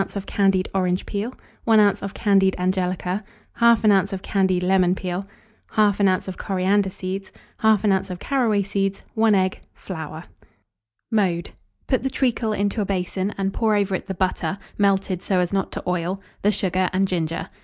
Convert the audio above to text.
of candied orange peel, 1 oz. of candied angelica, 1/2 oz. of candied lemon peel, 1/2 oz. of coriander seeds, 1/2 oz. of caraway seeds, 1 egg; flour. Mode. Put the treacle into a basin, and pour over it the butter, melted so as not to oil, the sugar, and ginger.